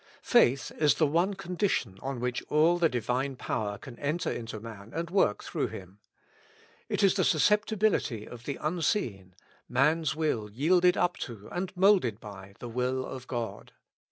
Faith is the one condition on which all the Divine power can enter into man and work through him. It is the suscep tibility of the unseen ; man's will yielded up to, and moulded by, the will of God.